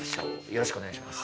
よろしくお願いします。